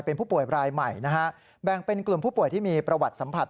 เป็นผู้ป่วยรายใหม่นะฮะแบ่งเป็นกลุ่มผู้ป่วยที่มีประวัติสัมผัส